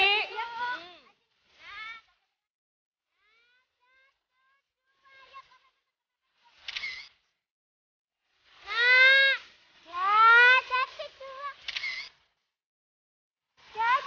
oke sekarang foto rame rame